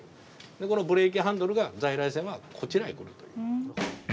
でこのブレーキハンドルが在来線はこちらへくるという。